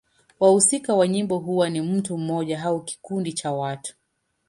Wahusika wa nyimbo huwa ni mtu mmoja au kikundi cha watu.